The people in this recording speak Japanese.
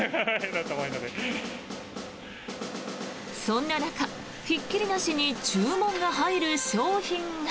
そんな中、ひっきりなしに注文が入る商品が。